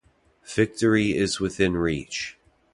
Victory is within reach.